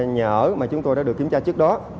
nhà ở mà chúng tôi đã được kiểm tra trước đó